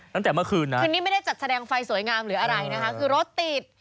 ตั้งแต่เมื่อคืนนะคืนนี้ไม่ได้จัดแสดงไฟสวยงามหรืออะไรนะคะคือรถติด